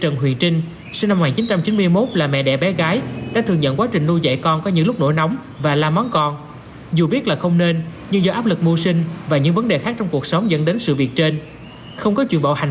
nguyễn thiên nguyệt sinh năm một nghìn chín trăm bảy mươi sáu ngụ tại nhà số tám trăm bốn mươi tám ấp bình trung xã bình thành